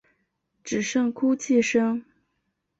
只剩哭泣声